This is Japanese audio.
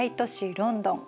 ロンドン。